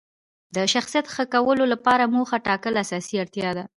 د شخصیت ښه کولو لپاره موخه ټاکل اساسي اړتیا ده.